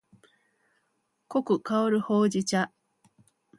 濃く香るほうじ茶